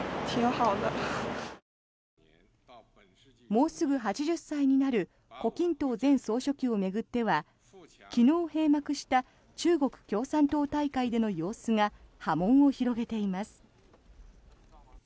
もうすぐ８０歳になる胡錦涛前総書記を巡っては昨日閉幕した中国共産党大会での様子が波紋を広げています。